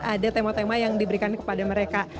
ada tema tema yang diberikan kepada mereka